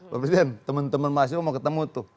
pak presiden teman teman mas yogyakarta mau ketemu tuh